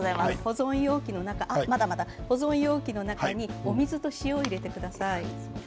そしたら保存容器の中にお水と塩を入れてください。